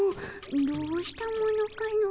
どうしたものかの。